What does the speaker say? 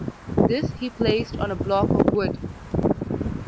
This he placed on a block of wood.